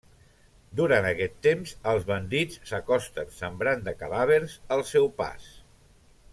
Durant aquest temps, els bandits s'acosten sembrant de cadàvers el seu pas.